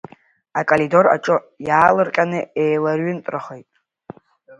Акоридор аҿы иаалырҟьаны еилаҩынтрахеит.